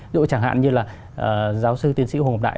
ví dụ chẳng hạn như là giáo sư tiến sĩ hồ ngọc đại